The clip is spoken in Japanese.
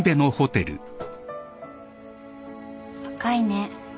赤いね。